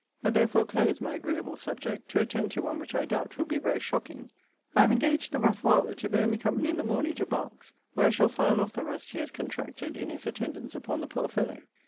I therefore close my agreeable subject, to attend to one which I doubt will be very shocking. I have engaged the rough varlet to bear me company in the morning to Berks; where I shall file off the rust he has contracted in his attendance upon the poor fellow.